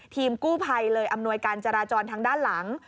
ทีมกู้ภัยเลยอำนวยการจราจรทางด้านหลัง